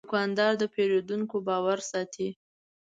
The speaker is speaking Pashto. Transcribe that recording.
دوکاندار د پیرودونکو باور ساتي.